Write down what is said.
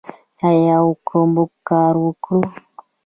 آیا او که موږ کار وکړو؟